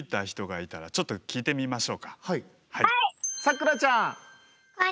さくらちゃん。